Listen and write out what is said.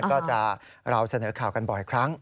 ก็จะเราเสนอข่าวกันบ่อยครั้ง